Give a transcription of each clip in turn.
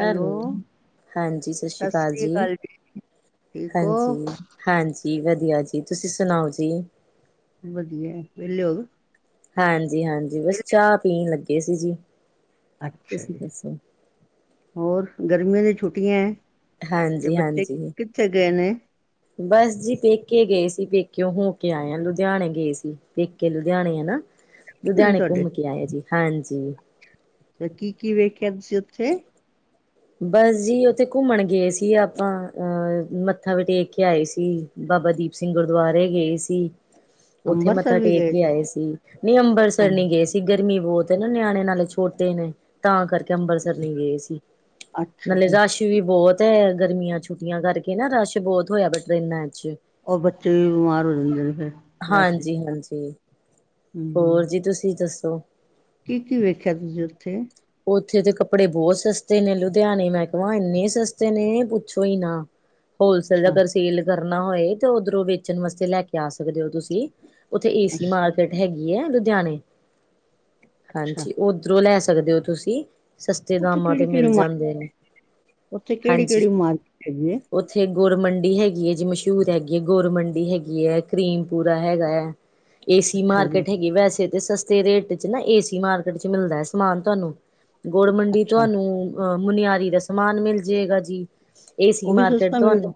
Hello, ਹਾਂਜੀ ਸ ਸੀ਼ ਸਤਿ ਕਾਲ ਸ੍ਰੀ ਜੀ ਅਕਾਲ ਠੀਕ ਹੋ ਹਾਂਜੀ ਹਾਂਜੀ, ਵਧੀਆ ਜੀ, ਤੁਸੀਂ ਸੁਨਾਓ ਜੀ ਵਹਲੇ ਹੋ ਗੇ ਹਾਂਜੀ ਹਾਂਜੀ, ਬਸ ਚਾਹ ਪੀਨ ਲੱਗੇ ਸੀ ਜੀ ਅੱਛਾ ਤੁਸੀਂ ਜੀ, ਦੱਸੋ ਹੋਰ ਗਰਮੀਆਂ ਦੀ ਛੁੱਟੀਆਂ ਏ ਤੇ ਹਾਂਜੀ ਬੱਚੇ ਹਾਂਜੀ ਕਿੱਥੇ ਗਏ ਨੇ? ਬਸ ਜੀ ਪੇਕੇ ਗਏ ਸੀ, ਪੇਕੇਓਂ ਹੋ ਕੇ ਆਏ ਆ ਲੁਧਿਆਣੇ ਗਏ ਸੀ, ਪੇਕੇ ਲੁਧਿਆਣੇ ਆ ਨਾ ਲੁਧਿਆਣੇ ਤੁਹਾਡੇ ਘੁੰਮ ਕੇ ਆਏ ਆ ਜੀ, ਹਾਂਜੀ ਕੀ ਕੀ ਵੇਖਿਆ ਤੁਸੀਂ ਉਥੇ? ਬਸ ਜੀ ਉੱਥੇ ਘੁੰਮਣ ਗਏ ਸੀ ਆਪਾਂ, ਅਹ ਮੱਥਾ ਵੀ ਟੇਕ ਕੇ ਆਏ ਸੀ ਬਾਬਾ ਦੀਪ ਸਿੰਘ ਗੁਰਦੁਆਰੇ ਗਏ ਸੀ ਉੱਥੇ ਮੱਥਾ ਅੰਮ੍ਰਿਤਸਰ ਵੀ ਟੇਕ ਗਏ ਕੇ ਆਏ ਸੀ, ਨੀ ਅੰਬਰਸਰ ਹਾਂਜੀ ਨੀ ਗਏ ਸੀ ਗਰਮੀ ਬਹੁਤ ਤੇ ਨਾ ਨਿਆਣੇ ਨਾਲੇ ਛੋਟੇ ਨੇ, ਤਾਂ ਕਰਕੇ ਅਭਰਸਰ ਨੀ ਗੇ ਸੀ ਅੱਛਾ ਨਾਲੇ ਜੀ ਰਸ਼ ਵੀ ਬਹੁਤੇ ਏ ਗਰਮੀਆਂ ਛੁੱਟੀਆਂ ਕਰਕੇ ਨਾ, ਰਸ਼ ਬਹੁਤ ਹੋਇਆ ਪਏ ਆ ਟਰੇਨਾਂ ਚ ਉਹ ਬੱਚੇ ਵੀ ਬਿਮਾਰ ਹੋ ਜਾਂਦੇ ਨੇ ਫਿਰ, ਰਸ਼ ਚ ਹਾਂਜੀ ਤਾ ਹਾਂਜੀ ਹੋਰ ਜੀ ਤੁਸੀਂ ਦੱਸ ਕੀ ਕੀ ਵੇਖਿਆ ਤੁਸੀਂ ਉੱਥੇ ਉੱਥੇ ਤੇ ਕੱਪੜੇ ਬਹੁਤ ਸਸਤੇ ਨੇ, ਲੁਧਿਆਨੇ ਮੈਂ ਕਵਾਂ ਏਨੇ ਸਸਤੇ ਨੇ, ਪੁੱਛੋ ਈ ਨਾ ਹੋਲਸੇਲ ਅੱਛਾ ਅਗਰ ਸੇਲ ਕਰਨਾ ਹੋਏ, ਤੋ ਉੱਧਰੋਂ ਵੇਚਨ ਵਾਸਤੇ ਲੈ ਕੇ ਆ ਸਕਦੇ ੳ ਤੁਸੀਂ ਉੱਥੇ ਏਸੀ ਅੱਛਾ ਮਾਰਕੀਟ ਹੈਗੀ ਏ, ਲੁਧਿਆਨੇ, ਅੱਛਾ ਹਾਂਜੀ ਉਧਰੋਂ ਲੈ ਸਕਦੇ ਹੋ? ਤੁਸੀਂ। ਸਸਤੇ ਉੱਥੇ ਦਾਮਾਂ ਤੇ ਕਿਹੜੀ ਮਿਲ ਕਿਹੜੀ ਮਾਰਕੀਟ ਜਾਂਦੇ ਨੇ, ਉੱਥੇ ਕਿਹੜੀ ਹਾਂਜੀ, ਕਿਹੜੀ ਮਾਰਕੀਟ ਹੈਗੀ ਹੈ ਉੱਥੇ। ਗੁਡ ਮੰਡੀ ਹੈਗੀ ਏ ਜੀ ਮਸ਼ਹੂਰ ਹੈਗੀ ਹੇ, ਗੋਰ ਮੰਡੀ ਹੈਗੀ ਏ, ਕਰੀਮਪੂਰਾ ਹੈਗਾ ਹੈ। ਏਸੀ ਅੱਛਾ ਜੀ ਮਾਰਕੀਟ ਹੈਗੀ, ਵੈਸੇ ਤੇ ਸਸਤੇ ਰੇਟ ਚ ਨਾ ਏਸੀ ਮਾਰਕੀਟ ਚ ਮਿਲਦਾ ਐ ਸਮਾਨ ਤੁਹਾਨੂੰ। ਗੋਡ ਮੰਡੀ ਅੱਛਾ ਤੋਹਾਨੂੰ ਅਹ ਮੁਨਿਆਰੀ ਦਾ ਸਮਾਨ ਮਿਲ ਜੇ ਗਾ ਜੀ। ਏਸੀ ਉਹ ਵੀ ਮਾਰਕੀਟ ਸਸਤਾ ਮਿਲਦਾ ਤੁਹਾਨੂੰ,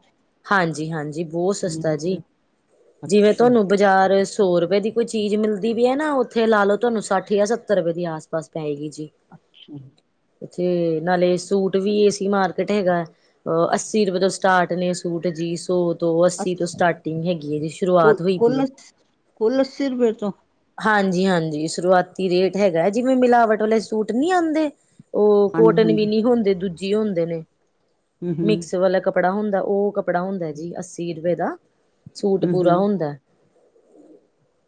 ਹਾਂਜੀ। ਹਾਂਜੀ ਹਾਂਜੀ, ਬਹੁਤ ਸਸਤਾ ਹਾਂਜੀ, ਜੀ ਜਿਵੇਂ ਅੱਛਾ ਤੁਹਾਨੂੰ ਬਜ਼ਾਰ। ਸੌ ਰੁਪਏ ਦੀ ਕੋਈ ਚੀਜ਼ ਮਿਲਦੀ ਵੀ ਹੈ ਨਾ ਉੱਥੇ ਲਾ ਲਓ ਤੁਹਾਨੂੰ ਸੱਠ ਜਾਂ ਸੱਤਰ ਰੁਪਏ ਦੀ ਆਸ ਪਾਸ ਪਏਗੀ ਜੀ। ਅੱਛਾ। ਉੱਥੇ ਨਾਲੇ ਸੂਟ ਵੀ ਏ ਸੀ ਮਾਰਕੀਟ ਹੈਗਾ ਅਹ ਅੱਸੀ ਰੁਪਏ ਤੋਂ ਸਟਾਰਟ ਨੇ ਸੂਟ। ਦੀ ਸੌ। ਦੋ ਅਸ ਅੱਸੀ ਤੋਂ ਸਟਾਰਟਿੰਗ ਹੈਗੀ ਹੈ ਜੀ ਕੁ ਸ਼ੁਰੂਆਤ ਹੋਈ ਪਈ ਹੈ। ਕੁੱਲ ਕੁੱਲ ਅੱਸੀ ਰੁਪਏ ਤੋਂ ਹਾਂਜੀ ਹਾਂਜੀ ਸ਼ੁਰੂਆਤੀ ਰੇਟ ਹੈਗਾ ਜਿਵੇਂ ਮਿਲਾਵਟ ਵਾਲੇ ਸੂਟ ਨਹੀ ਆਉਂਦੇ‌। ਉਹ ਹਾਂਜੀ ਕੋਟਨ ਵੀ ਹਾਂਜੀ ਨਹੀਂ ਹੁੰਦੇ ਦੂਜੀ ਹੁੰਦੇ ਨੇ ਹੂੰ ਹੂੰ ਮਿਕਸ ਵਾਲਾ ਕੱਪੜਾ ਹੁੰਦਾ ਉਹ । ਕੱਪੜਾ ਹੁੰਦਾ ਜੀ ਅੱਸੀ ਰੁਪਏ ਦਾ ਸੂਟ ਹੂੰ ਪੂਰਾ ਹੂੰ ਹੁੰਦਾ ਹੈ।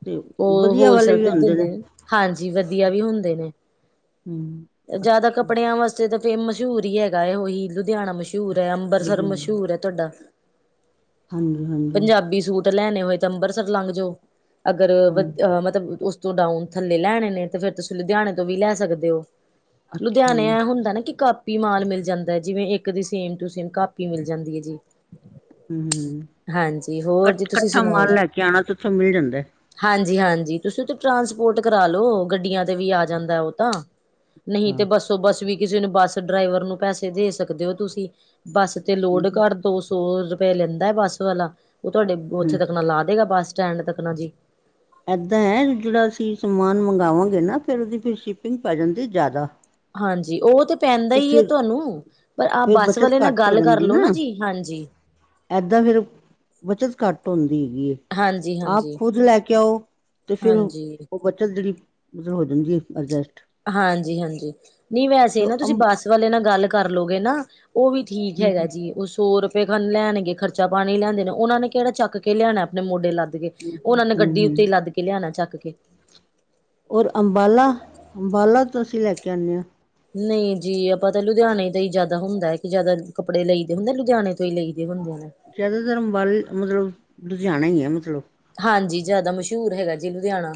ਤੇ ਉਹ ਵਧੀਆ ਵਾਲੇ ਹੋਲਸੇਲ ਵੀ ਤੇ ਹੁੰਦੇ ਦਿੰਦੇ ਨੇ ਹਾਂਜੀ ਵਧੀਆ। ਵਧੀਆ ਵੀ ਹੁੰਦੇ ਨੇ ਹੂੰ ਜਿਆਦਾ ਅੱਛਾ ਕੱਪੜਿਆਂ ਵਾਸਤੇ ਤਾਂ। ਤੇ ਮਸ਼ਹੂਰ ਹੀ ਹੈਗਾ ਉਹੀ ਲੁਧਿਆਣਾ ਮਸ਼ਹੂਰ ਹੈ ਅੰਮ੍ਰਿਤਸਰ ਲੁਧਿਆਣਾ ਮਸ਼ਹੂਰ ਹੈ ਤੁਹਾਡਾ। ਹਾਂਜੀ ਹਾਂਜੀ ਪੰਜਾਬੀ ਸੂਟ ਲੈਣੇ ਹੋਏ ਤੇ ਅੰਮ੍ਰਿਤਸਰ ਲੰਘ ਜਾਓ। ਅਗਰ ਹੂੰ ਅਹ ਮਤਲਬ ਉਸ ਤੋਂ ਡਾਊਨ ਥੱਲੇ ਲੈਣੇ ਨੇ ਤੇ ਫੇਰ ਤੁਸੀਂ ਲੁਧਿਆਣੇ ਤੋਂ ਵੀ ਲੈ ਸਕਦੇ ਹੋ। ਅੱਛਾ ਲੁਧਿਆਣੇ ਜੀ ਏ ਹੁੰਦਾ ਨਾ ਕਿ । ਕਾਪੀ ਮਾਲ ਮਿਲ ਜਾਂਦਾ ਹੈ ਜਿਵੇਂ ਇੱਕ ਦੀ ਸੇਮ ਟੂ ਸੇਮ ਕਾਪੀ ਮਿਲ ਜਾਂਦੀ ਹੈ ਜੀ। ਹੂੰ ਹੂੰ ਹਾਂਜੀ ਹੋਰ ਜੀ ਕੱਠ ਤੁਸੀਂ ਕੱਠਾ ਸੁਣਾਓ ਮਾਲ ਜੀ ਹਾਂਜੀ। ਲੈ ਕੇ ਆਣਾ ਤੇ ਉੱਥੋਂ ਮਿਲ ਜਾਂਦਾ ਹੈ। ਹਾਂਜੀ ਹਾਂਜੀ ਤੁਸੀਂ ਤੇ ਟਰਾਂਸਪੋਰਟ ਕਰਾਲੋ ਗੱਡੀਆਂ ਤੇ ਵੀ ਆ ਜਾਂਦਾ ਉਹ ਤਾਂ। ਨਹੀਂ ਅੱਛਾ ਤੇ ਬੱਸੋ ਬੱਸ ਵੀ ਕਿਸੇ ਨੂੰ ਬੱਸ ਡਰਾਈਵਰ ਨੂੰ ਪੈਸੇ ਦੇ ਸਕਦੇ ਹੋ ਤੁਸੀਂ। ਬੱਸ ਤੇ ਹੂੰ ਲੋੜ ਘੱਟ ਦੋ ਸੌ ਰੁਪਏ ਲੈਂਦਾ ਹੈ ਬੱਸ ਵਾਲਾ। ਉਹ ਤੁਹਾਡੇ ਹੂੰ ਉੱਥੇ ਤੱਕ ਨਾ ਲਾ ਦੇਗਾ ਬੱਸ ਸਟੈਂਡ ਤੱਕ ਨਾ ਜੀ। ਏਦਾਂ ਹੈ ਜਿਹੜਾ ਅਸੀਂ ਸਮਾਨ ਮੰਗਵਾਂਗੇ ਨਾ ਫੇਰ ਉਹਦੀ ਫਿਰ ਸ਼ਿਪਿੰਗ ਪੈ ਜਾਂਦੀ ਜ਼ਿਆਦਾ। ਹਾਂਜੀ ਉਹ ਤੇ। ਪੈਂਦਾ ਹੀ ਹੈ ਤੁਹਾਨੂੰ ਪਰ ਆ ਫਿਰ ਬੱਸ ਬੱਚਤ ਵਾਲੇ ਨਾਲ ਘੱਟ ਹੋ ਗੱਲ ਜਾਂਦੀ ਕਰਲੋ ਨਾ ਜੀ ਹਾਂਜੀ। ਏਦਾਂ ਫਿਰ ਬੱਚਤ ਘੱਟ ਹੁੰਦੀ ਹੈਗੀ ਹੈ। ਹਾਂਜੀ ਆਪ ਹਾਂਜੀ ਖੁਦ ਲੈ ਕੇ ਆਓ। ਤੇ ਫੇਰ ਹਾਂਜੀ ਉਹ ਬੱਚਤ ਜਿਹੜੀ ਮਤਲਬ ਹੋ ਜਾਂਦੀ ਹੈ ਅਜਸਟ। ਹਾਂਜੀ ਹਾਂਜੀ ਨਹੀਂ ਵੈਸੇ ਜੋ ਨਾ ਤੁਸੀਂ ਅਮ ਬੱਸ ਵਾਲੇ ਨਾਲ ਗੱਲ ਕਰਲਓਗੇ ਨਾ। ਉਹ ਵੀ ਠੀਕ ਹਮ ਹੈਗਾ ਜੀ ਉਹ ਸੌ। ਲੈਣਗੇ ਖਰਚਾ ਪਾਣੀ ਲਿਆਂਦੇ ਨੇ ਉਹਨਾਂ ਨੇ ਕਿਹੜਾ ਚੱਕ ਕੇ ਲਿਆਣਾ ਆਪਣੇ ਮੋਢੇ ਲਾ। ਲੱਦ ਕੇ ਉਹਨਾਂ ਨੇ ਗੱਡੀ ਹਮ ਉੱਤੇ ਲੱਦ ਕੇ ਲਿਆਣਾ ਚੱਕ ਕੇ। ਔਰ ਅੰਬਾਲਾ ਅੰਬਾਲਾ ਤੋਂ ਅਸੀਂ ਲੈ ਕੇ ਆਉਦੇ ਹਾਂ। ਨਹੀਂ ਜੀ ਆਪਾਂ ਤਾਂ ਲੁਧਿਆਣੇ ਤੋਂ ਹੀ ਜ਼ਿਆਦਾ ਹੁੰਦਾ ਹੈ। ਕਿ ਜਿਆਦਾ ਕੱਪੜੇ ਲਈ ਦੇ ਹੁੰਦੇ ਲੁਧਿਆਣੇ ਤੋਂ ਹੀ ਲਈ‌। ਜਿਆਦਾ ਤਰ ਅੰਬਾਲਾ ਮਤਲਬ ਲੁਧਿਆਣਾ ਹੀ ਹੈ ਮਤਲਬ। ਹਾਂਜੀ ਜ਼ਿਆਦਾ ਮਸ਼ਹੂਰ ਹੈਗਾ ਜੀ ਲੁਧਿਆਣਾ।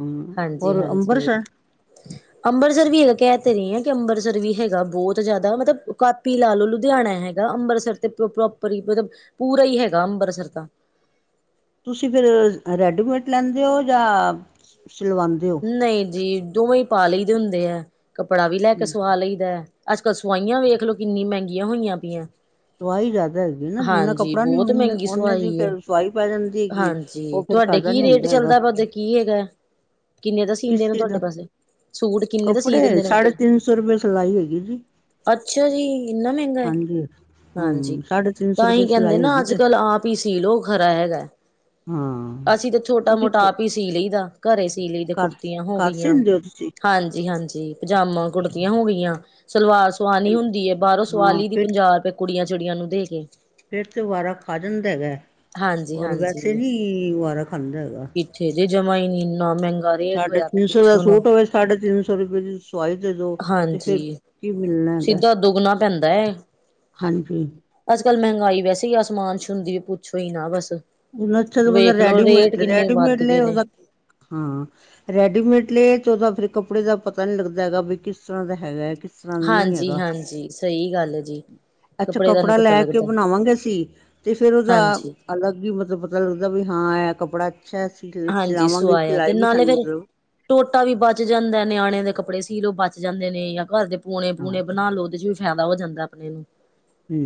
ਹਮ ਹਾਂਜੀ ਔਰ ਹਾਂਜੀ ਅੰਬਰਸਰ ਅੰਮ੍ਰਿਤਸਰ ਵੀ ਹੈ ਕਹਿ ਤੇ ਰਹੀ ਹਾਂ। ਇਹ ਅੰਮ੍ਰਿਤਸਰ ਵੀ ਹੈਗਾ ਬਹੁਤ ਜ਼ਿਆਦਾ ਮਤਲਬ ਕਾਪੀ ਲਾ ਲਓ ਲੁਧਿਆਣਾ ਹੈਗਾ ਅੰਮ੍ਰਤਸਰ ਤੇ ਪ੍ਰੋਪਰ। ਮਤਲਬ ਪੂਰਾ ਹੀ ਹੈਗਾ ਅੰਬਰਸਰ ਤਾਂ। ਤੁਸੀਂ ਫਿਰ ਰੈਡੀਮੇਟ ਲੈਂਦੇ ਹੋ ਜਾਂ। ਸਿਲਵਾਉਂਦੇ ਹੋ ਨਹੀਂ ਜੀ ਦੋਵੇਂ ਪਾ ਲਈ ਦੇ ਹੁੰਦੇ ਹੈ। ਕੱਪੜਾ ਵੀ ਲੈ ਕੇ ਸਵਾ ਲਈ ਦਾ ਹੈ। ਅੱਜ ਕੱਲ ਸਵਾਈਆਂ ਵੇਖ ਲੋ ਕਿੰਨੀ ਮਹਿੰਗੀਆਂ ਹੋਈਆਂ ਪਈਆਂ । ਸਵਾਈ ਜ਼ਿਆਦਾ ਹੈਗੀ ਨਾ ਜਿੰਨਾ ਕੱਪੜਾ ਨੀ ਬਹੁਤ ਓਨੇ ਮਹਿੰਗੀ ਓਨੇ ਦੀ ਸਵਾਈ ਹੈ ਫਿਰ ਸਵਾਈ ਪੈ ਜਾਂਦੀ ਹੈਗੀ ਹਾਂਜੀ ਉਹ। ਫਿਰ ਤੁਹਾਡੇ ਫਾਇਦਾ ਕੀ ਨੀ ਰੇਟ ਹੁੰਦਾ ਹੈਗਾ ਚੱਲਦਾ ਹੈ ਕੀ ਹੈਗਾ ਕਿੰਨੇ ਦਾ ਸੀਂਦੇ ਕਿਸ ਨੇ ਚੀਜ਼ ਤੁਹਾਡੇ ਦਾ ਪਾਸੇ। ਸੂਟ ਕਿੰਨੇ ਦਾ ਸੀ ਕੱਪੜੇ ਦਿੰਦੇ ਨੇ ਸਾਢੇ ਉੱਧਰ ਤਿੰਨ ਸੌ ਰੁਪਏ ਸਿਲਾਈ ਹੈਗੀ ਜੀ। ਅੱਛਾ ਜੀ ਇੰਨਾ ਮਹਿੰਗਾ ਹੈ। ਹਾਂਜੀ ਹਾਂਜੀ ਹੂੰ ਸਾਢੇ ਤਿੰਨ ਸੌ ਰੁਪਏ ਤਾਂਹੀ ਕਹਿੰਦੇ ਸਿਲਾਈ ਨਾ ਹੈਗੀ ਅੱਜ ਜੇ ਕੱਲ ਆਪ ਹੀ ਸੀ ਲੋਓ ਖਰਾ ਹੈਗਾ। ਹਾਂ ਅਸੀਂ ਤਾਂ ਛੋਟਾ ਤੁਸੀਂ ਕ ਮੋਟਾ ਆਪ ਹੀ ਸੀ ਲਈਦਾ ਘਰੇ ਸੀ। ਲੀ ਦਾ ਕਰ ਕੁੜਤੀਆਂ ਹੋ ਕਰ ਗਈਆਂ ਸੀਂਦੇ ਹੋ ਤੁਸੀਂ ਹਾਂਜੀ ਹਾਂਜੀ ਪਜਾਮਾ ਕੁੜਤੀਆਂ ਹੋ ਗਈਆਂ। ਸਲਵਾਰ ਸੂਆਣੀ ਹੁੰਦੀ ਹੈ ਬਾਹਰੋਂ ਹਾਂ ਸੂਆਲੀ ਦੀ ਫਿਰ ਪੰਜਾਹ ਰੁਪਏ ਕੁੜੀਆਂ ਚਿੜੀਆਂ ਨੂੰ ਦੇ ਕੇ। ਫਿਰ ਤੇ ਵਾਰਾ ਖਾ ਜਾਂਦਾ ਹੈਗਾ। ਹਾਂਜੀ ਓਰ ਵੈਸੇ ਹਾਂਜੀ ਨੀ ਵਾਰਾ ਖਾਂਦਾ ਹੈਗਾ। ਜਮਾਈ ਨੀ ਇੰਨਾ ਮੈਂ ਸਾਢੇ ਤਿੰਨ ਸੌ ਦਾ ਸੂਟ ਹੋਵੇ ਸਾਢੇ ਤਿੰਨ ਸੌ ਰੁਪਏ ਦੀ ਸਵਾਈ ਤੇ ਦੋ ਤੇ ਫਿਰ। ਹਾਂਜੀ ਕੀ ਮਿਲਣਾ ਹੈਗਾ ਸਿੱਧਾ ਦੁੱਗਣਾ ਪੈਂਦਾ ਹੈ। ਹਾਂਜੀ, ਕੱਲ ਮਹਿੰਗਾਈ ਵੈਸੇ ਆ ਸਮਾਨ ਸੁਣਦੀ ਵੀ ਪੁੱਛੋ ਈ ਨਾ ਬਸ, ਨ ਵੇਖਲੋ ਰੇਟ ਰੈਡੀਮੇਡ ਕਿੰਨੇ ਰੇਡੀਮੇਡ ਵੱਧ ਲੇ ਗਏ ਆਉ ਨੇ ਉਹਦਾ, ਹਾਂ ਰੈਡੀਮੇਡ ਲ ਫਿਰ ਕੱਪੜੇ ਦਾ ਪਤਾ ਨੀ ਲੱਗਦਾ ਹੈਗਾ, ਵੀ ਕਿਸ ਤਰ੍ਹਾਂ ਦਾ ਹੈਗਾ ਕਿਸ ਤਰ੍ਹਾਂ ਦਾ ਨਹੀਂ ਹੈਗਾ ਹਾਂਜੀ-ਹਾਂਜੀ ਸਹੀ ਗੱਲ ਜੀ, ਅੱਛਾ ਕੱਪੜੇ ਦਾ ਨੀ ਕੱਪੜਾ ਪਤਾ ਲੈ ਕੇ ਲੱਗਦਾ ਬਣਾਵਾਂਗੇ, ਅਸੀ ਤੇ ਫੇਰ ਉਹਦਾ ਹਾਂਜੀ। ਅਲੱਗ ਹੀ ਮਤਲਬ ਪਤਾ ਲੱਗਦਾ ਵੀ ਹਾਂ ਇਹ ਕੱਪੜਾ, ਅੱਛਾ ਹੈ, ਅਸੀਂ ਹਾਂਜੀ ਚਲਾਵਾਂਗੇ ਸੁਆਇਆ ਸਿਲਾਈ ਤੇ ਵੀ ਨਾਲੇ ਸਾਨੂੰ ਫੇਰ ਮਤਲਬ ਟੋਟਾ ਵੀ ਬਚ ਜਾਂਦਾ, ਨਿਆਣਿਆਂ ਦੇ ਕੱਪੜੇ ਸੀਲੋ ਬਚ ਪਚ ਜਾਂਦੇ ਨੇ ਜਾਂ ਘਰ ਦੇ ਪੂਣੇ-ਪੂਣੇ ਹਾਂ ਬਣਾਲੋ ਉਹਦੇ ਚ ਵੀ ਫਾਇਦਾ ਹੋ ਜਾਂਦਾ ਆਪਣੇ ਨੂੰ ਹੂੰ,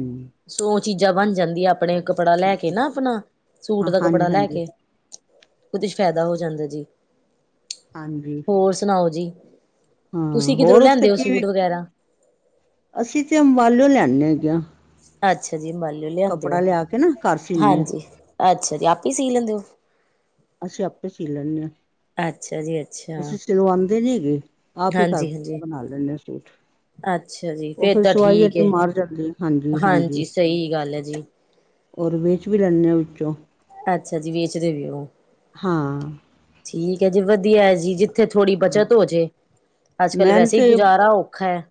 ਸੌ ਚੀਜ਼ਾਂ ਬਣ ਜਾਂਦੀਆਂ, ਆਪਣੇ ਕੱਪੜਾ ਲੈ ਕੇ ਨਾ ਆਪਣਾ ਸੂਟ ਦਾ ਹਾਂਜੀ ਕੱਪੜਾ ਲੈ ਹਾਂਜੀ ਕੇ ਛ ਫਾਇਦਾ ਹੋ ਜਾਂਦਾ ਜੀ, ਹਾਂਜੀ ਹੋਰ ਸੁਣਾਓ ਜੀ? ਹਾਂ ਤੁਸੀਂ ਕਿਧਰੋਂ ਹੋਰ ਉੱਥੇ ਲਿਆਂਦੇ ਹੋ ਕਿਵੇਂ ਸੂਟ ਵਗੈਰਾ, ਅਸੀਂ ਤੇ ਅੰਬਾਲੋ ਲੈਦੇ ਹੈਗੇ ਆ। ਅੱਛਾ ਜੀ ਮੰਨਿਓ ਲਿਆਂਦੇ, ਕੱਪੜਾ ਲਿਆ ਕੇ ਨਾ ਘਰ ਸੀਨੇ ਆ ਹਾਂਜੀ ਅੱਛਾ ਜੀ ਆਪੇ ਸੀ ਲੈਂਦੇ ਔ ਅਸੀਂ ਆਪੇ ਸੀ ਲੈਂਦੇ, ਹਾਂ ਅੱਛਾ ਜੀ ਅੱਛਾ ਅਸੀਂ ਸਿਲਵਾਦੇ ਨੀ ਹੈਗੇ। ਆਪ ਹੀ ਘਰ ਹਾਂਜੀ-ਹਾਂਜੀ ਬਣਾ ਲੈ ਏ ਆ ਸੂਟ ਅੱਛਾ ਜੀ, ਉਹ ਫੇਰ ਫਿਰ ਤਾਂ ਸਵਾਈ ਠੀਕ ਅਸੀਂ ਹੈ ਮਾਰ ਜਾਂਦੇ ਹਾਂਜੀ ਸਹੀ ਗੱਲ ਹੈ ਜੀ। ਹ ਵਿੱਚ ਵੀ ਲੈਂਦੇ ਹਾਂ ਵਿੱਚੋਂ ਅੱਛਾ ਜੀ, ਵੇਚਦੇ ਨੇ ਹਾਂ ਠੀਕ ਹੈ ਜੀ ਵਧੀਆ ਜੀ, ਉੱਥੇ ਥੋੜ੍ਹੀ ਬੱਚਤ ਹੋਜੇ, ਅੱਜ-ਕੱਲ ਮੈਨ ਵੈਸੇ ਹੀ ਤੇ ਗੁਜਾਰਾ ਔਖਾ ਹੈ।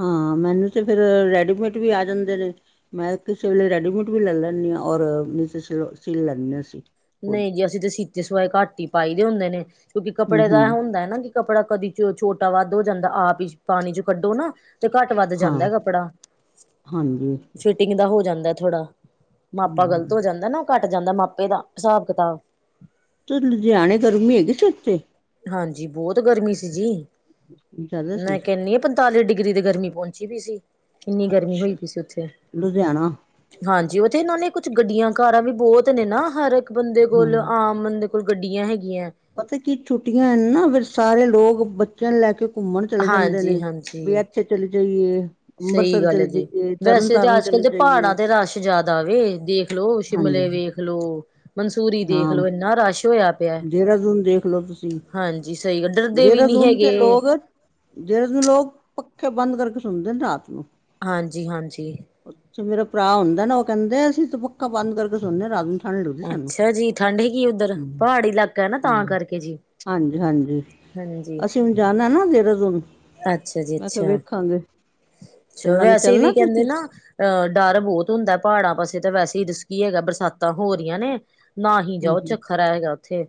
ਹਾਂ ਮੈਨੂੰ ਤੇ ਫੇਰ ਰੈਡੀਮੇਡ ਵੀ ਆ ਜਾਂਦੇ ਨੇ, ਮੈਂ ਕਿਸੇ ਵੇਲੇ ਰੈਡੀਮੇਡ ਵੀ ਲੈ ਲੈਂਦੀ। ਔਰ ਕੁਛ ਲੈਂਦੇ ਅਸੀਂ, ਖੁਦ ਨਹੀਂ ਜੀ ਅਸੀਂ ਤਾਂ ਸੀਤੇ ਸਵਾਏ ਘੱਟ ਹੀ ਪਾਈ ਦੇ ਹੁੰਦੇ ਨੇ, ਕਿਉਂਕਿ ਹੂੰ ਕੱਪੜੇ ਹੂੰ ਦਾ ਇਹ ਹੁੰਦਾ ਹੈ ਨਾ ਕਿ ਕੱਪੜਾ ਕਦੇ ਚ ਛੋਟਾ ਵੱਧ ਹੋ ਜਾਂਦਾ ਆਪ ਹੀ ਪਾਣੀ ਚ ਕੱਢੋ ਨਾ, ਤੇ ਘੱਟ-ਵੱਧ ਹਾਂ ਜਾਂਦਾ ਕੱਪੜਾ, ਹਾਂਜੀ ਫਿਟਿੰਗ ਦਾ ਹੋ ਜਾਂਦਾ ਥੋੜਾ ਮਾਪਾ ਗ਼ਲਤ ਹੂੰ ਹੋ ਜਾਂਦਾ ਨਾ, ਉਹ ਘੱਟ ਜਾਂਦਾ ਮਾਪੇ ਦਾ ਹਿਸਾਬ ਕਿਤਾਬ ਤ ਲੁਧਿਆਣੇ ਗਰਮੀ ਹੈਗੀ ਸੀ ਉੱਥੇ? ਹਾਂਜੀ ਬਹੁਤ ਗਰਮੀ ਸੀ ਜੀ, ਜ਼ਿਆਦਾ ਸੀ ਮੈਂ ਕਹਿੰਨੀ ਆ ਪੰਤਾਲੀ ਡਿਗਰੀ ਤੇ ਗਰਮੀ ਪਹੁੰਚ ਸੀ ਕਿੰਨੀ ਗਰਮੀ ਅੱਛਾ ਹੋਈ ਪਈ ਸੀ, ਉੱਥੇ ਲੁਧਿਆਣਾ ਹਾਂਜੀ ਇ ਇਹਨਾਂ ਨੇ ਕੁਝ ਗੱਡੀਆਂ ਕਾਰਾਂ ਵੀ ਬਹੁਤ ਨੇ ਨਾ ਹਰ ਇੱਕ ਬੰਦੇ ਹਾਂ ਕੋਲ ਆਮ ਬੰਦੇ ਕੋਲ ਗੱਡੀਆਂ ਹੈਗੀਆਂ। ਪਤਾ ਕੀ ਛੁੱਟੀਆਂ ਨਾ ਫਿਰ ਸਾਰੇ ਲੋਕ ਬੱਚਿਆਂ ਨੂੰ ਲੈ ਕੇ, ਘੁੰਮਣ ਚਲੇ ਜਾਂਦੇ ਨੇ ਹਾਂਜੀ ਵੀ ਹਾਂਜੀ ਇੱਥੇ ਚਲੇ ਜਾਈਏ। ਸਹੀ ਅੰਮ੍ਰਿਤਸਰ ਗੱਲ ਹੈ ਚਲੇ ਜੀ, ਜਾਈਏ ਤਰਨ ਵੈਸੇ ਤਾਂ ਤਾਰਨ ਅੱਜ-ਕੱਲ ਚਲੇ ਦੇ ਜਾਈਏ ਪਹਾੜਾਂ ਤੇ ਰਸ਼ ਜ਼ਿਆਦਾ ਆਵੇ ਦੇਖਲੋ ਸ਼ਮ ਹਾਂਜੀ ਵੇਖਲੋ ਮਨਸੂਰੀ ਹਾਂ ਦੇਖਲੋ ਇੰਨਾ ਰਸ਼ ਹੋਇਆ। ਪਿਆ। ਦੇਹਰਾਦੂਨ ਦੇਖਲਓ ਤੁਸੀਂ ਹਾਂਜੀ ਸਹੀ ਗੱਲ ਡਰਦੇ ਵੀ ਨਹੀਂ ਦੇਹਰਾਦੂਨ ਤੇ ਹੈਗੇ ਲੋਕ ਜੇਹਰਾਦੂਨ ਲੋਕ, ਪੱਖੇ ਬੰਦ ਕਰਕੇ ਸੋਦੇ ਨੇ ਰਾਤ ਨੂੰ ਹਾਂਜੀ-ਹਾਂਜੀ, ਉੱਥੇ ਮੇਰਾ ਭਰਾ ਹੁੰਦਾ ਨੇ ਉਹ ਕਹਿੰਦੇ ਅਸੀਂ, ਪੱਕਾ ਬੰਦ ਕਰਕੇ ਸੌਦੇ ਆ ਰਾਤ ਨੂੰ ਠੰਢ ਲੱਗਦੀ ਸਾਨੂੰ ਅੱਛਾ ਜੀ ਠੰਡ ਹੈਗੀ ਉੱਧਰ ਹੂੰ, ਪਹਾੜੀ ਇਲਾਕਾ ਹੈ ਨਾ ਹਾਂ ਤਾਂ ਕਰਕੇ ਜੀ ਹਾਂਜੀ-ਹਾਂਜੀ, ਹਾਂਜੀ, ਨਾਦੇ ਰਜੂ ਨੂੰ ਅੱਛਾ ਜੀ ਮੈਂ ਕਿਹਾ ਅੱਛਾ ਵੇਖਾਂਗੇ। ਅੱਛਾ ਚੱਲਾਂਗੇ ਵੈਸੇ ਚੱਲਣਾ ਵੀ ਕਹਿੰਦੇ ਤੁਸੀਂ ਨਾ ਅਹ ਡਰ ਬਹੁਤ ਹੁੰਦਾ, ਪਹਾੜਾਂ ਪਾਸੇ ਤਾਂ ਵੈਸੇ ਹੀ ਕੀ ਹੈਗਾ ਬਰਸਾਤਾਂ ਹੋ ਰਹੀਆਂ ਨੇ ਨਾ ਹੀ ਹੂੰ ਜਾਓ, ਚੱਖਰਾ ਹੈਗਾ ਉੱਥੇ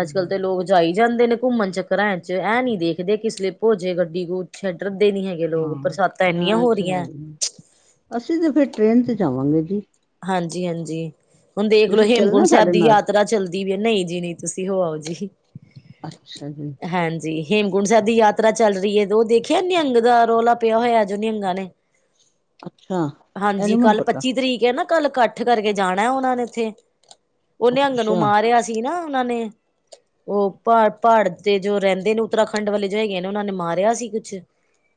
ਅੱਜ ਕਲ ਹੂੰ ਤੇ ਲੋਕ ਜਾਈ। ਜਾਂਦੇ ਨੇ ਘੁੰਮਣ ਚੱਕਰਾਂ ਵਿਚ ਇਹਂ ਨੀ ਦੇਖਦੇ ਕਿ ਸਲੀਪ ਹੋਜੇ ਗੱਡੀ ਕੁਛ ਡਰਦੇ ਨੀ। ਹੈਗੇ ਲੋਕ ਬਰਸਾਤਾਂ ਇੰਨੀਆਂ ਹਾਂ ਹੋ ਅੱਛਾ ਰਹੀਆਂ ਅਸੀਂ ਤਾਂ ਫਿਰ ਟ੍ਰੇਨ ਤੇ ਜਾਵਾਂਗੇ ਜੀ। ਹਾਂਜੀ ਹਾਂਜੀ ਹੁਣ ਦੇਖਲੋ ਤੁਸੀਂ ਚੱਲਣਾ ਹੇਮਕੁੰਟ ਸਾਹਿਬ ਸਾਡੇ ਦੀ ਨਾਲ ਯਾਤਰਾ ਚੱਲਦੀ ਵੀ ਹੈ ਨਹੀਂ ਜੀ ਨਹੀਂ। ਤੁਸੀਂ ਹੋ ਆਓ ਜੀ। ਅੱਛਾ ਜੀ। ਹੇਮਕੁੰਡ ਸਾਹਿਬ ਦੀ ਯਾਤਰਾ ਚੱਲ ਰਹੀ ਹੈ ਤੇ ਉਹ ਦੇਖਿਆ ਨਿਹੰਗ ਦਾ ਰੌਲਾ ਪਿਆ ਹੋਇਆ ਜੋ ਨਿਹੰਗਾਂ ਨੇ। ਅੱਛਾ ਇਹ ਨੀ ਹਾਂਜੀ ਮੈਨੂੰ ਕੱਲ ਪਤਾ ਪੱਚੀ ਤਰੀਕ ਹੈ ਨਾ। ਕੱਲ ਇਕੱਠ ਕਰਕੇ ਜਾਣਾ ਉਹਨਾ ਨੇ ਇੱਥੇ ਉਹ ਨਿਹੰਗ ਨੂੰ ਅੱਛਾ ਮਾਰਿਆ ਸੀ ਨਾ। ਉਹਨਾਂ ਨੇ। ਉਹ ਪ ਪਹਾੜ ਤੇ ਜੋ ਰਹਿੰਦੇ ਨੇ ਉੱਤਰਾਖੰਡ ਵਾਲੇ ਜੋ ਹੈਗੇ ਨੇ ਉਹਨਾਂ ਨੇ ਮਾਰਿਆ ਸੀ ਕੁਛ।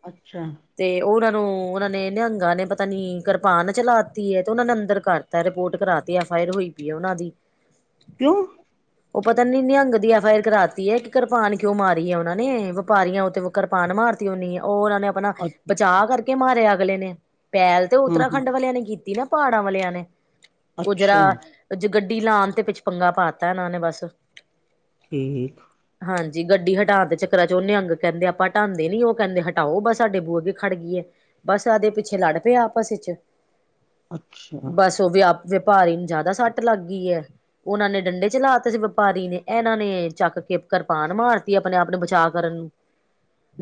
ਅੱਛਾ। ਤੇ ਉਹਨਾਂ ਨੂੰ ਉਹਨਾਂ ਨੇ ਨਿਹੰਗਾਂ ਨੇ ਪਤਾ ਨੀ ਕਿਰਪਾਨ ਚਲਾ ਦਿੱਤੀ ਹੈ ਤੇ ਉਹਨਾਂ ਨੇ ਅੰਦਰ। ਦ ਕਰਤਾ ਰਿਪੋਰਟ ਕਰਾ ਤੀ ਐਫ ਆਈ ਆਰ ਹੋਈ ਪਈ ਹੈ ਉਹਨਾਂ ਦੀ। ਕਿਉਂ। ਉਹ ਪਤਾ ਨੀ ਨਿਹੰਗ ਦੀ ਐਫ ਆਈ ਆਰ ਕਰਾਤੀ ਹੈ ਕਿ ਕਿਰਪਾਨ ਕਿਉਂ ਮਾਰੀ ਹੈ ਉਹਨਾ ਨੇ ਵਪਾਰੀਆਂ ਉਤੇ ਕਿਰਪਾਨ ਮਾਰ। ਮਰਤੀ ਹੋਣੀ ਆ ਉਹ। ਅਪਣਾ ਅਪਣਾ ਅੱ- ਬਚਾਅ ਕਰਕੇ ਮਾਰਿਆ ਅਗਲੇ ਨੇ ਪੈਹਲ ਤੇ ਹਾਂ ਹਾਂ ਉੱਤਰਾਖੰਡ ਵਾਲਿਆਂ ਨੇ ਕੀਤੀ ਨਾ ਪੜ ਵਾਲੀਆਂ ਨੇ ਉਜਰਾ ਅੱਛਾ । ਗੱਡੀ ਲਾਉਣ ਤੇ ਵਿੱਚ ਪੰਗਾ ਪਾਤਾ ਇਹਨਾਂ ਨੇ ਬਸ। ਠੀਕ। ਹਾਂਜੀ ਗੱਡੀ ਹਟਾਣ ਦੇ ਚੱਕਰਾਂ ਚ ਉਹ ਨਿਹੰਗ ਕਹਿੰਦੇ ਆਪਾਂ ਹਟਾਂਦੇ ਨੀ ਉਹ ਕਹਿੰਦੇ ਹਟਾਓ ਬਸ ਸਾਡੇ ਬੂਹੇ ਅਗੇ ਖੜ ਗਈਏ। ਬਸ ਆਦੇ ਪਿੱਛੇ ਲੜ ਪਿਆ ਆਪਸ ਵਿੱਚ, ਅੱਛਾ। ਬਸ ਉਹ ਵਿਆ ਵਪਾਰੀ ਨੂੰ ਜ਼ਿਆਦਾ ਸੱਟ ਲੱਗ ਗਈ ਹੈ। ਉਹਨਾਂ ਨੇ ਡੰਡੇ ਚਲਾਤੇ ਸੀ ਵਪਾਰੀ ਨੇ ਇਹਨਾਂ ਨੇ ਚੱਕ ਕੇ ਕਰਰਪਾਨ ਮਾਰਤੀ ਆਪਣੇ ਆਪ ਨੂੰ ਬਚਾਅ ਕਰਨ।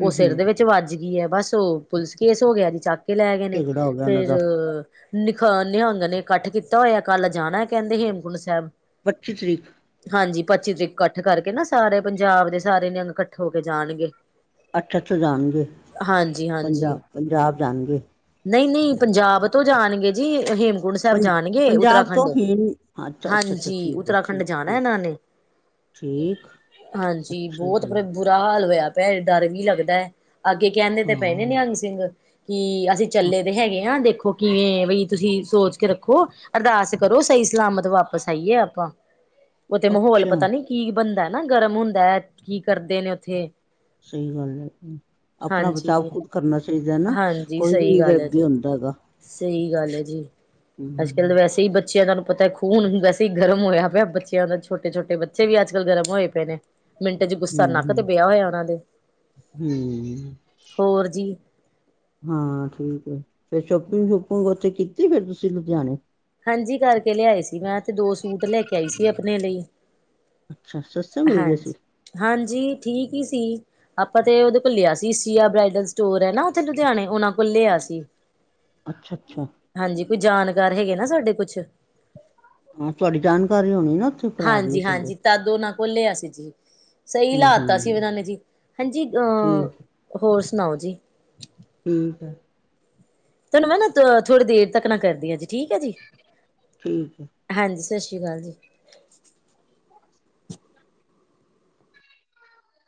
ਹੂੰ ਸਿਰ ਹੂੰ ਦੇ ਵਿੱਚ ਵੱਜ ਗਈ ਹੈ ਬਸ ਉਹ ਪੁਲਿਸ ਕੇਸ ਹੋ ਗਿਆ ਜੀ ਚਾ। ਲੈ ਗਏ ਨੇ ਝਗੜਾ ਹੋ ਗਿਆ ਉਹਨਾਂ ਫੇਰ ਦਾ ਨ। ਅ ਨਿਹੰਗ ਨੇ ਇਕੱਠ ਕੀਤਾ ਹੋਇਆ ਕੱਲ ਜਾਣਾ ਕਹਿੰਦੇ ਹੇਮਕੁੰਟ ਸਾਹਿਬ। ਪੱਚੀ ਤਰੀਕ। ਹਾਂਜੀ ਪੱਚੀ ਤਰੀਕ ਇਕੱਠ ਕਰਕੇ ਨਾ ਸਾਰੇ ਪੰਜਾਬ ਦੇ ਸਾਰੇ ਨਿਹੰਗ ਇਕੱਠ ਹੋ ਕੇ ਜਾਣਗੇ। ਅੱਠ ਅੱਠ ਜਾਣਗੇ ਹਾਂਜੀ ਹਾਂਜੀ ਪੰਜਾਬ ਪੰਜਾਬ ਜਾਣਗੇ। ਨਹੀਂ ਨਹੀਂ ਪੰਜਾਬ ਤੋਂ ਜਾਣਗੇ ਜੀ ਹੇਮ ਕੁੰਠ ਸਾਹਿਬ ਪੰ ਜਾਣਗੇ ਪੰਜਾਬ ਤੋਂ ਉੱਤਰਾਖੰਡ ਹੀ ਅੱਛਾ ਅੱਛਾ ਅੱਛਾ ਹਾਂਜੀ ਠੀਕ ਹੈ ਉੱਤਰਾਖੰਡ ਠੀਕ ਜਾਣਾ ਠੀਕ ਇਹਨਾਂ ਨੇ। ਠੀਕ ਹਾਂਜੀ ਅੱਛਾ ਬਹੁਤ ਜੀ ਬੁਰਾ ਹਾਲ ਹੋਇਆ। ਡਰ ਵੀ ਲੱਗਦਾ ਹੈ ਅੱਗੇ ਕਹਿੰਦੇ ਤੇ ਪਾਏ ਹਾਂ ਨੇ ਨਿਹੰਗ ਸਿੰਘ। ਕਿ ਅਸੀਂ ਚੱਲੇ ਤੇ ਹੈਗੇ ਹਾਂ ਦੇਖੋ ਕਿਵੇਂ ਬਈ। ਤੁਸੀਂ ਸੋਚ ਕੇ ਰੱਖੋ ਅਰਦਾਸ ਕਰੋ ਸਹੀ ਸਲਾਮਤ ਵਾਪਸ ਆਈਏ ਆਪਾਂ। ਉਥੇ ਮਾਹੌਲ ਅੱਛਾ ਪਤਾ ਨੀ ਕੀ ਬਣਦਾ ਨਾ ਗਰਮ ਹੁੰਦਾ ਕੀ ਕਰਦੇ ਨੇ ਉੱਥੇ। ਸਹੀ ਗੱਲ ਹੈ। ਆਪਣਾ ਬਚਾਓ ਹਾਂਜੀ ਖੁਦ ਕਰਨਾ ਚਾਹੀਦਾ ਨਾ ਹਾਂਜੀ ਕੋਈ ਵੀ ਸਹੀ ਨੀ ਗੱਲ ਹੈ ਜੀ ਅੱਗੇ ਹੁੰਦਾ ਹੈਗਾ। ਸਹੀ ਗੱਲ ਹੈ ਜੀ ਹੂੰ ਅੱਜ ਕੱਲ ਤਾਂ ਵੈਸੇ ਹੀ ਬੱਚਿਆਂ ਨਾਲ। ਪਤਾ ਖੂਨ ਹੁਣ ਵੈਸੇ ਹੀ ਗਰਮ ਹੋਇਆ ਪਿਆ ਬੱਚਿਆਂ ਦਾ ਛੋਟੇ ਛੋਟੇ ਬੱਚੇ ਵੀ ਅੱਜ ਕੱਲ ਗਰਮ ਹੋਏ ਪਏ ਨੇ। ਮਿੰਟ ਚ ਗੁੱਸਾ ਹੂੰ ਨੱਕ ਤੇ ਹੂੰ ਬਇਆ ਹੋਇਆ ਉਹਨਾਂ ਦੇ ਹੂੰ ਹੋਰ ਜੀ। ਹਾਂ ਠੀਕ ਹੈ ਫੇਰ ਸ਼ੋਪਿੰਗ ਸ਼ੂਪਿੰਗ ਉੱਥੇ ਕੀਤੀ ਫੇਰ ਤੁਸੀਂ ਲੁਧਿਆਣੇ। ਹਾਂਜੀ ਕਰਕੇ ਲਿਆਏ ਸੀ ਮੈਂ ਤੇ ਦੋ ਸੂਟ ਲੈ ਕੇ ਆਈ ਸੀ ਆਪਣੇ ਲਈ। ਅੱਛਾ ਸਸਤੇ ਮਿਲ ਗਏ ਸੀ। ਜੀ ਠੀਕ ਹੀ ਸੀ ਆਪਾਂ ਤੇ ਉਹਦੇ ਕੋਲ ਲਿਆ ਸੀ ਸੀਆ ਬ੍ਰਾਈਡਲ ਸਟੋਰ ਹੈ ਨਾ ਉੱਥੇ ਲੁਧਿਆਣੇ ਉਹਨਾਂ ਕੋਲ। ਲਿਆ ਸੀ। ਅੱਛਾ ਅੱਛਾ। ਹਾਂਜੀ ਕੋਈ ਜਾਣਕਾਰ ਹੈਗੇ ਨਾ ਸਾਡੇ ਕੁਛ। ਹਾਂ ਤੁਹਾਡੀ ਜਾਣਕਾਰੀ ਹੋਣੀ ਨਾ, ਉੱਥੇ ਭਰਾ ਦੀ ਤੁਹਾਡੇ ਹਾਂਜੀ-ਹਾਂਜੀ ਤਾਂਦੋ ਨਾ, ਖੋਲਿਆ ਸੀ, ਜੀ ਸਹੀ ਹੂੰ ਲਾਤਾ ਸੀ ਹੂੰ ਉਹਨਾਂ ਨੇ ਜੀ ਹਾਂਜੀ ਠੀਕ ਅਹ ਹੋਰ ਸੁਣਾਓ ਜੀ? ਠੀਕ ਹੈ, ਤੈਨੂੰ ਮੈਂ ਨਾ ਥੋੜੀ ਦੇਰ ਤੱਕ ਨਾ ਕਰਦੀ ਹਾਂ ਜੀ ਠੀਕ ਹੈ ਜੀ। ਠੀਕ ਹੈ, ਹਾਂਜੀ ਸਤਿ ਸ਼੍ਰੀ ਅਕਾਲ ਜੀ,